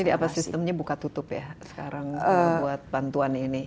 jadi apa sistemnya buka tutup ya sekarang untuk bantuan ini